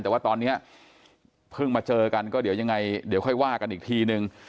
แต่ว่าตอนนี้เพิ่งมาเจอกันก็เดี๋ยวยังไงเดี๋ยวค่อยว่ากันอีกทีนึง